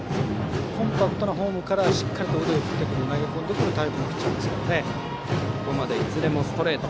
コンパクトなフォームからしっかりと腕を振ってくる投げ込んでくるタイプのピッチャーです。